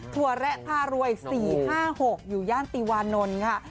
ถั่วแระพารวย๔๕๖อยู่ย่านติวานนท์ค่ะ